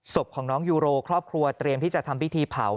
ศพของน้องยูโรครอบครัวเตรียมที่จะทำพิธีเผา